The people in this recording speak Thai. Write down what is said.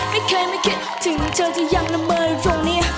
ไม่เคยไม่คิดถึงเธอที่ยังนำมืออยู่ตรงนี้